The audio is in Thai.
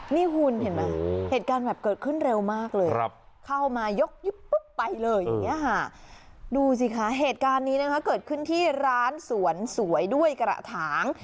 นี่คุณเห็นมั้ยเหตุการณ์แบบเกิดขึ้นเร็วมากเลยเข้ามายกไปเลยดูสิคะเหตุการณ์นี้เกิดขึ้นที่ร้านสวนสวยด้วยกระถัง